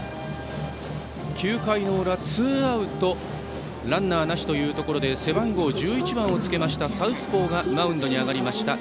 ９回の裏、ツーアウトでランナーなしというところで背番号１１番をつけましたサウスポーがマウンドに上がりました。